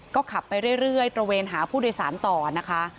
ก็ขับไปเรื่อยตระเวนหาผู้โดยสารต่อนะคะ